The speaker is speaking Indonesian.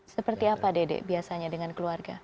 seperti apa dedek biasanya dengan keluarga